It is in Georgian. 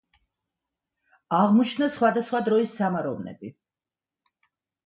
აღმოჩნდა სხვადასხვა დროის სამაროვნები.